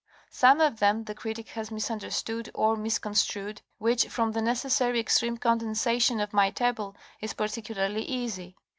Some of them the critic has misunderstood or misconstrued, which from the necessarily extreme condensation of my table is particularly easy.